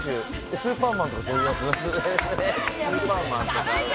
スーパーマンとかそういうやつ？